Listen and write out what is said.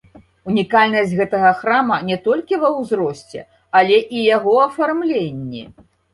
Унікальнасць гэтага храма не толькі ва ўзросце, але і яго афармленні.